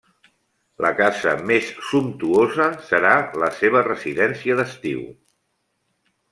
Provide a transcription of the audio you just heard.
La casa més sumptuosa serà la seva residència d'estiu.